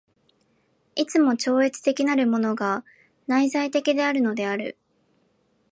いつも超越的なるものが内在的であるのである。